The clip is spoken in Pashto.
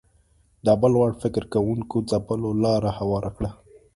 دا بل وړ فکر کوونکو ځپلو لاره هواره کړه